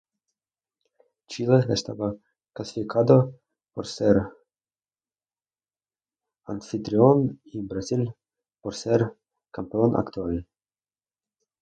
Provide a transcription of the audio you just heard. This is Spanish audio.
Chile estaba clasificado por ser anfitrión y Brasil por ser el campeón actual.